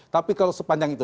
tapi kalau sepanjang itu